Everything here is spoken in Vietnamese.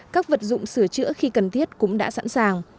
các vật dụng sửa chữa khi cần thiết cũng đã sẵn sàng